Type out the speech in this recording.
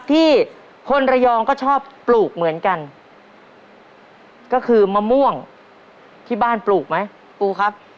ที่คนระยองก็ชอบปลูกเหมือนกันก็คือมะม่วงที่บ้านปลูกไหมปูครับ